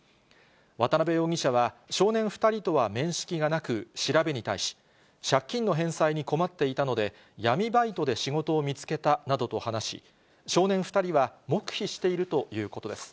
渡辺容疑者は、少年２人とは面識がなく、調べに対し、借金の返済に困っていたので闇バイトで仕事を見つけたなどと話し、少年２人は黙秘しているということです。